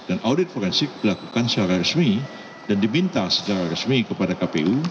dan audit forensik dilakukan secara resmi dan diminta secara resmi kepada kpu